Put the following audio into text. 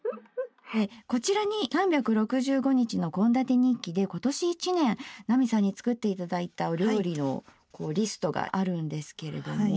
こちらに「３６５日の献立日記」で今年一年奈美さんに作って頂いたお料理のリストがあるんですけれども。